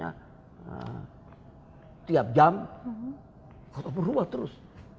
kalaupun ruwet terus